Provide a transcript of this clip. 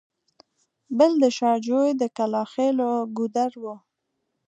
بل د شاه جوی د کلاخېلو ګودر و.